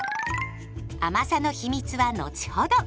甘さの秘密は後ほど。